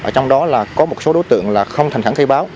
trong đó là có một số đối tượng không thành thẳng cây báo